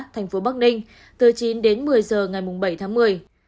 thành phố bắc ninh từ chín đến một mươi giờ ngày bảy tháng một mươi